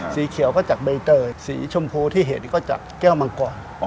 สีเขียวก็จากใบเตยสีชมพูที่เห็นก็จากแก้วมังกร